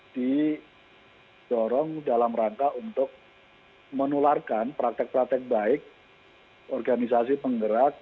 didorong dalam rangka untuk menularkan praktek praktek baik organisasi penggerak